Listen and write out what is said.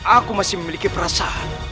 aku masih memiliki perasaan